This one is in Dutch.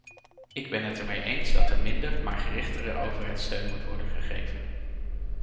Ik ben het ermee eens dat er minder, maar gerichtere overheidssteun moet worden gegeven.